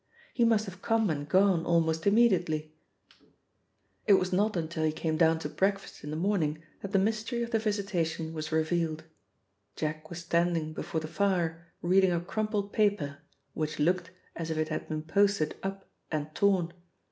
He must have come and gone almost immediately. It was not until he came down to breakfast in the morning that the mystery of the visitation was revealed. Jack was standing before the fire reading a crumpled paper which looked as if it had been posted up and torn.